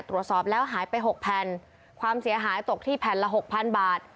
ตรวจสอบแล้วหายไปหกแผ่นความเสียหายตกที่แผ่นละหกพันบาท